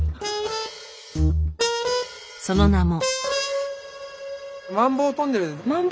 その名も。